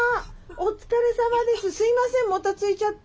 「お疲れさまです」。